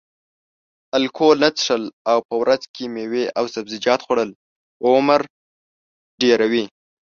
الکول نه څښل او په ورځ کې میوې او سبزیجات خوړل عمر اوږدوي.